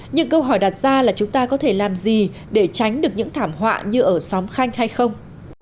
nhưng câu hỏi đặt ra là chúng ta có thể làm gì để tránh được những thảm họa như ở xóm khanh hay không